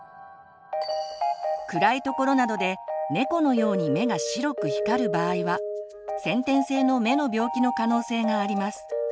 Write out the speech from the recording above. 暗いところなどで猫のように目が白く光る場合は先天性の目の病気の可能性があります。